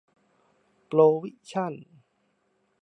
โปรวิชั่น